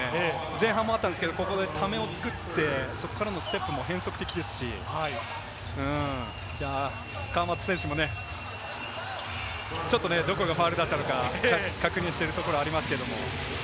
前半もあったんですけれど、ここでためを作って、そこからのステップも変則的ですし、川真田選手もね、ちょっとどこがファウルだったのか確認しているところありますけれども。